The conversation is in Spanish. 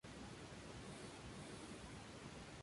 Le ofrecen, en compensación, permitirle vivir a su lado.